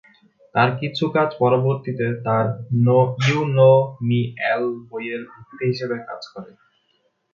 তার কিছু কাজ পরবর্তীতে তার "ইউ নো মি অ্যাল" বইয়ের ভিত্তি হিসেবে কাজ করে।